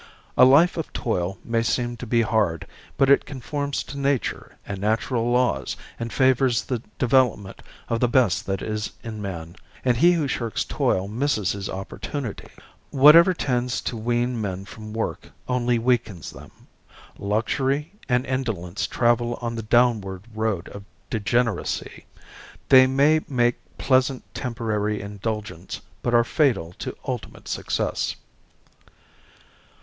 A life of toil may seem to be hard, but it conforms to nature and natural laws and favors the development of the best that is in man; and he who shirks toil misses his opportunity. Whatever tends to wean men from work only weakens them. Luxury and indolence travel on the downward road of degeneracy. They may make pleasant temporary indulgence, but are fatal to ultimate success.